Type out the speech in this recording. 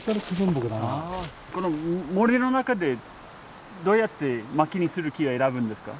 この森の中でどうやって薪にする木を選ぶんですか？